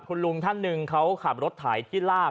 คุณลุงท่านหนึ่งเขาขับรถถ่ายที่ลาก